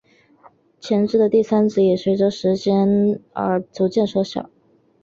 前肢的第三指也随者时间而逐渐缩小。